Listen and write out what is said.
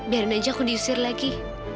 biarin aja aku diusir lagi